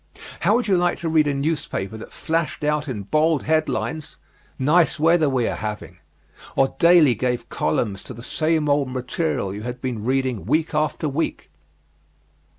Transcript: How would you like to read a newspaper that flashed out in bold headlines "Nice Weather We Are Having," or daily gave columns to the same old material you had been reading week after week?